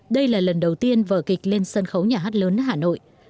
đây là lần đầu tiên vở kịch lên sân khấu nhà hát lớn hà nội